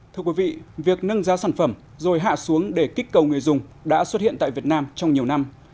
thưa quý vị việc nâng giá sản phẩm rồi hạ xuống để kích cầu người dùng đã xuất hiện tại việt nam trong nhiều năm